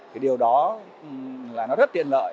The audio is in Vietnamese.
thì điều đó là nó rất tiện lợi